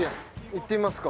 行ってみますか。